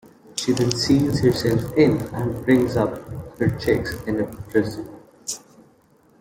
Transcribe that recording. She then seals herself in and brings up her chicks in a 'prison'.